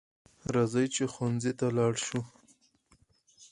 راځه چې ښوونځي ته لاړ شو